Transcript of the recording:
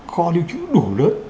kho lưu trữ đủ lớn